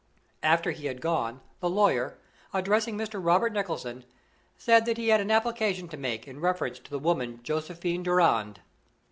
After he had gone, the lawyer, addressing Mr. Robert Nicholson, said that he had an application to make in reference to the woman Josephine Durand.